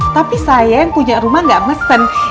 tapi saya yang punya rumah gak mesen